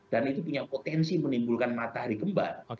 dan itu punya potensi menimbulkan matahari gembal